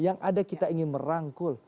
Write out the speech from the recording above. yang ada kita ingin merangkul